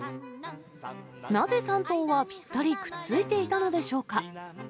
なぜ、３頭はぴったりくっついていたのでしょうか。